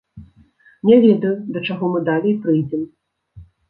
Не ведаю, да чаго мы далей прыйдзем.